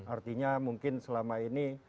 artinya mungkin selama ini